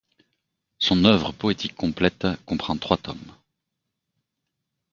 Son œuvre poétique complète comprend trois tomes.